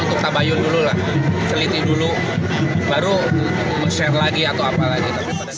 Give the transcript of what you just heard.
untuk tabayun dulu lah seliti dulu baru share lagi atau apa lagi